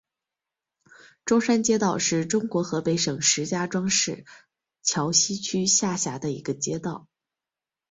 中山街道是中国河北省石家庄市桥西区下辖的一个街道。